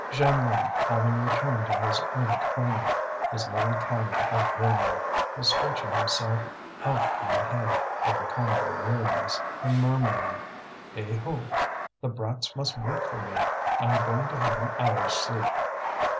Jeanlin, having returned to his own corner, his little cavern of villainy, was stretching himself out on the hay, overcome by weariness, and murmuring: "Heigho! the brats must wait for me; I'm going to have an hour's sleep."